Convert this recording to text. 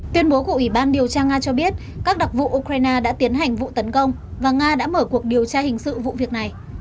tuyên bố của ủy ban điều tra nga cho biết các đặc vụ ukraine đã tiến hành vụ tấn công và nga đã mở cuộc điều tra hình sự vụ việc này